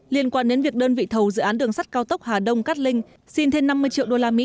liên quan đến việc đơn vị thầu dự án đường sắt cao tốc hà đông cát linh xin thêm năm mươi triệu đô la mỹ